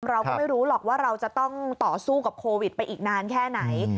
เราก็ไม่รู้หรอกว่าเราจะต้องต่อสู้กับโควิดไปอีกนานแค่ไหน